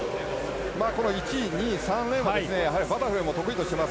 １、２、３レーンはバタフライも得意としています。